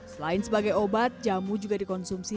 selain sebagai obat jamu juga dikonsumsi